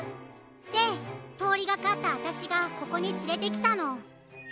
でとおりがかったあたしがここにつれてきたの。